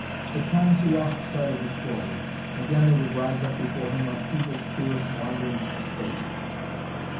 At times he lost sight of his quarry. Again they would rise up before him like evil spirits wandering through space.